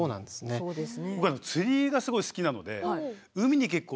そうですね。